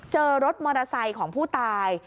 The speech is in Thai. เจอรถมอเตอร์ไซค์ของผู้ตาย